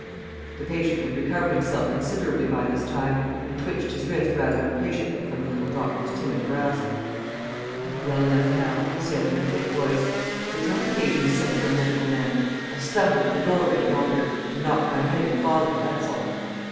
The patient had recovered himself considerably by this time, and twitched his wrist rather impatiently from the little doctor's timid grasp. "I am well enough now," he said in a thick voice. "There was no occasion to send for a medical man. I stumbled at the doorway yonder, and knocked my head in falling that's all."